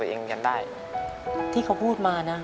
โดยโปรแกรมแม่รักลูกมาก